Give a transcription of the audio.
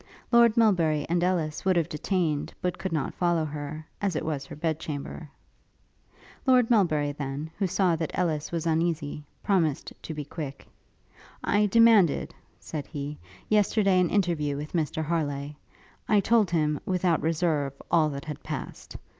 Lord Melbury and Ellis would have detained, but could not follow her, as it was her bed chamber. Lord Melbury then, who saw that Ellis was uneasy, promised to be quick. 'I demanded,' said he, 'yesterday, an interview with Mr Harleigh. I told him, without reserve, all that had passed.